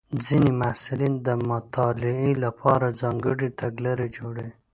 ځینې محصلین د مطالعې لپاره ځانګړې تګلارې جوړوي.